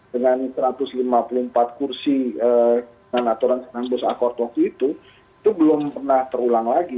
dengan satu ratus lima puluh empat kursi dengan aturan enam belas akordos itu itu belum pernah terulang lagi